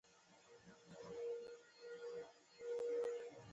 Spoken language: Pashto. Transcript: د هابسبورګ قلمرو تر ننني بلجیم پورې رسېده.